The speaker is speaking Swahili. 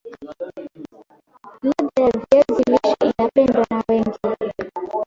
ladha ya viazi lishe inapendwa na wengi